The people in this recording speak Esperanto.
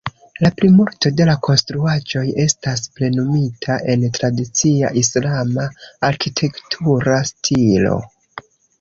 La plimulto de la konstruaĵoj estas plenumita en tradicia islama arkitektura stilo.